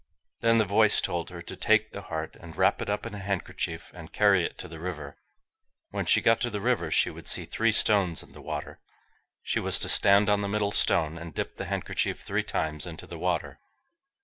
Then the voice told her to take the heart, and wrap it up in a handkerchief, and carry it to the river. When she got to the river she would see three stones in the water, she was to stand on the middle stone, and dip the handkerchief three times into the water.